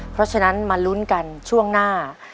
เพราะฉะนั้นมาลุ้นกันช่วงหน้า